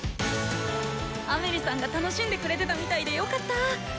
アメリさんが楽しんでくれてたみたいでよかった。